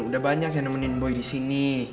udah banyak yang nemenin bui di sini